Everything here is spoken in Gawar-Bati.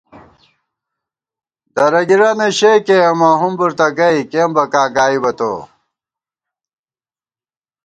درَگِرَنہ شےکېئیمہ ہُمبر تہ گئ کېمبَکاں گائیبہ تو